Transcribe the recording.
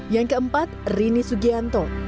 yang keempat rini sugianto